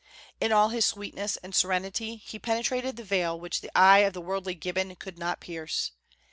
In all his sweetness and serenity, he penetrated the veil which the eye of the worldly Gibbon could not pierce.